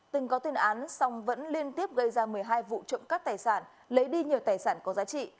từng có tên án song vẫn liên tiếp gây ra một mươi hai vụ trộm cắp tài sản lấy đi nhiều tài sản có giá trị